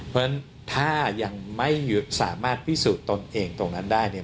เพราะฉะนั้นถ้ายังไม่สามารถพิสูจน์ตนเองตรงนั้นได้เนี่ย